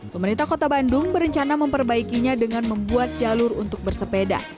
pemerintah kota bandung berencana memperbaikinya dengan membuat jalur untuk bersepeda